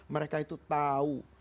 mereka itu tahu